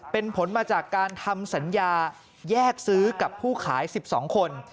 เป็นผลมาจากการทำสัญญาแยกซื้อกับผู้ขาย๑๒คน